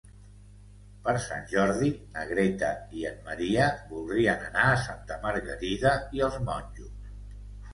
Per Sant Jordi na Greta i en Maria voldrien anar a Santa Margarida i els Monjos.